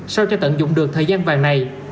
sau cho tận dụng được thời gian vàng này